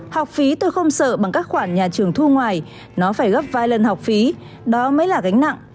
học phí tôi không sợ bằng các khoản nhà trường thu ngoài nó phải gấp vài lần học phí đó mới là gánh nặng